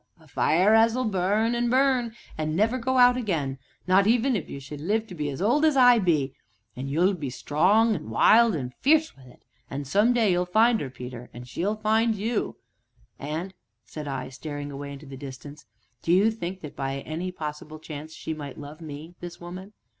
a fire as'll burn, an' burn, an' never go out again not even if you should live to be as old as I be an' you'll be strong an' wild an' fierce wi' it an' some day you'll find 'er, Peter, an' she'll find you " "And," said I, staring away into the distance, "do you think that, by any possible chance, she might love me, this woman?"